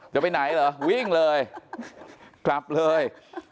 จะไปไหนเหรอวิ่งเลยกลับเลย